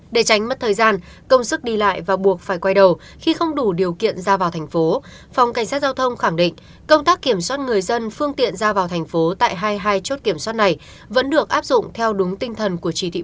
để tránh mất thời gian công sức đi lại và buộc phải quay đầu khi không đủ điều kiện ra vào thành phố phòng cảnh sát giao thông khẳng định công tác kiểm soát người dân phương tiện ra vào thành phố tại hai mươi hai chốt kiểm soát này vẫn được áp dụng theo đủ điều kiện